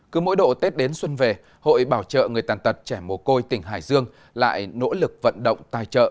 cứ mỗi độ tết đến xuân về hội bảo trợ người tàn tật trẻ mồ côi tỉnh hải dương lại nỗ lực vận động tài trợ